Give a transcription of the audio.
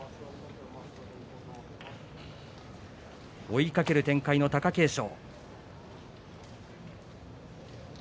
追いかける展開の貴景勝。